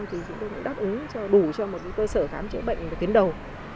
thì chúng tôi cũng đáp ứng đủ cho một cơ sở khám chữa bệnh tiến đầu